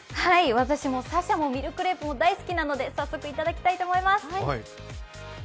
私も紗々もミルクレープも大好きなので早速、いただきたいと思います。